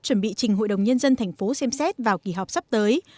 chuẩn bị trình hội đồng nhân dân tp xem xét vào kỳ họp sắp tới